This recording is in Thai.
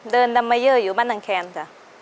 เดินดำเมเยออยู่บ้านดังแคมจ้ะ